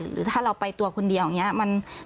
หรือถ้าเราไปตัวคนเดียวอย่างนี้